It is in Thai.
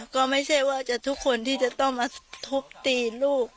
ก็ไม่ใช่ว่าจะทุกคนที่จะต้องมาทุบตีลูก